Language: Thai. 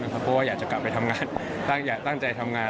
เพราะว่าอยากจะกลับไปทำงานตั้งใจทำงาน